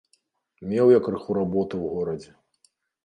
Меў я крыху работы ў горадзе.